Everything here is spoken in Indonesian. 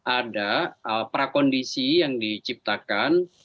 ada prakondisi yang diciptakan